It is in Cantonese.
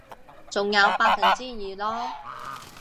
仲有百分之二囉